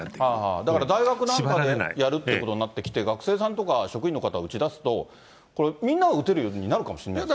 だから大学なんかでやるってことになってきて、学生さんとか、職員の方打ち出すと、これ、みんなが打てるようになるかもしれないですね。